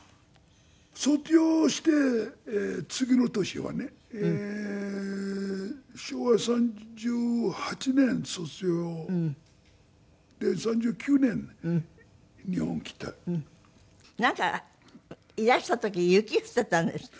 卒業して次の年はね昭和３８年卒業で３９年日本来た。なんかいらした時雪降っていたんですって？